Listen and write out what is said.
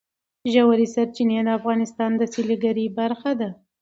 ژورې سرچینې د افغانستان د سیلګرۍ برخه ده.